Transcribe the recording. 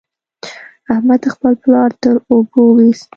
احمد خپل پلار تر اوبو وېست.